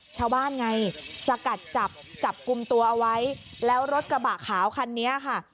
ชาวบ้านไงสกัดจับจับกลุ่มตัวเอาไว้แล้วรถกระบะขาวคันนี้ค่ะ